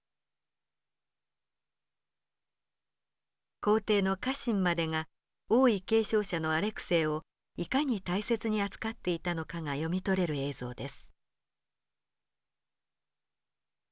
皇帝の家臣までが王位継承者のアレクセイをいかに大切に扱っていたのかが読み取れる映像です。